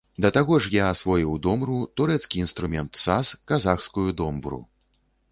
Да таго ж, я асвоіў домру, турэцкі інструмент саз, казахскую домбру.